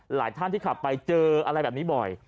หลายท่านที่ขับไปเจออะไรแบบนี้บ่อย